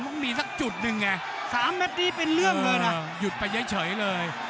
มันต้องมีสักจุดนึงไงสามเม็ดนี้เป็นเรื่องเลยนะโอ้โหหยุดไปใช้เฉยเลย